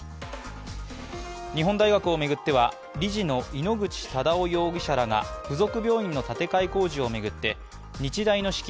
日本大学を巡っては理事の井ノ口忠男容疑者らが附属病院の建てかえ工事を巡って日大の資金